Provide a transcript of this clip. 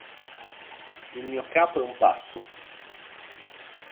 Il mio capo è un pazzo